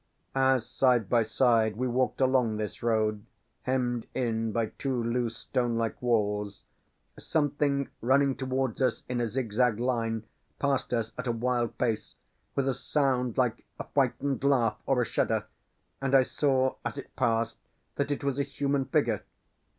As side by side we walked along this road, hemmed in by two loose stone like walls, something running towards us in a zig zag line passed us at a wild pace, with a sound like a frightened laugh or a shudder, and I saw, as it passed, that it was a human figure.